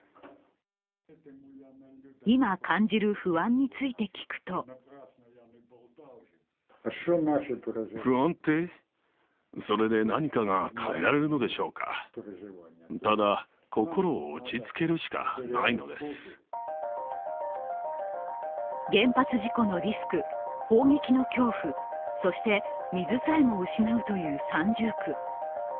今感じる不安について聞くと原発事故のリスク、砲撃の恐怖、そして水さえも失うという三重苦。